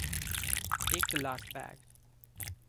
Take the last bag.